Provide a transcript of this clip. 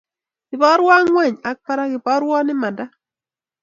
Iborwoo ngweny ak barak, iborwo imanda